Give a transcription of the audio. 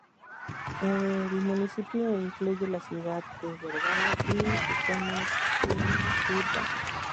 El municipio incluye la ciudad de Vergara y su zona suburbana.